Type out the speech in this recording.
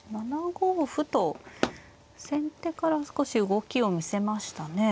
７五歩と先手から少し動きを見せましたね。